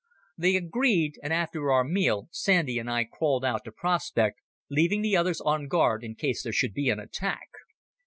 They agreed, and after our meal Sandy and I crawled out to prospect, leaving the others on guard in case there should be an attack.